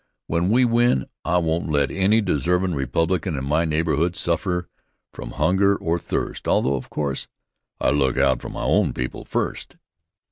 When we win I won't let any deservin' Republican in my neighborhood suffer from hunger or thirst, although, of course, I look out for my own people first.